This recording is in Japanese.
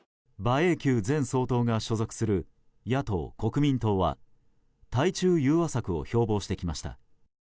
英九前総統が所属する野党・国民党は対中融和策を標榜してきました。